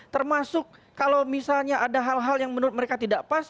termasuk kalau misalnya ada hal hal yang menurut mereka tidak pas